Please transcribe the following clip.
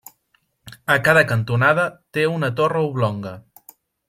A cada cantonada té una torre oblonga.